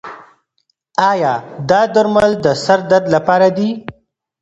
ایا دا درمل د سر درد لپاره دي؟